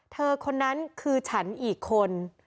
คนนั้นคือฉันอีกคน